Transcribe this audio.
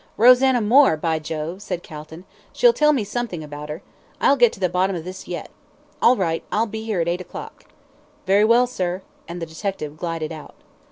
"Rosanna Moore, by Jove!" said Calton. "She'll tell me something about her. I'll get to the bottom of this yet. All right, I'll be here at eight o'clock." "Very well, sir!" and the detective glided out.